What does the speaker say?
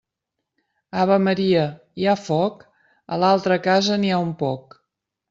Ave Maria, hi ha foc? A l'altra casa n'hi ha un poc.